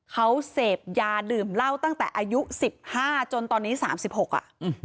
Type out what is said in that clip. เขาเสพยาดื่มเหล้าตั้งแต่อายุ๑๕จนตอนนี้๓๖อ่ะ